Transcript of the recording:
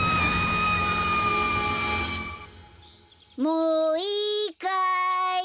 もういいかい。